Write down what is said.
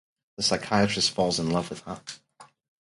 The psychiatrist falls in love with her.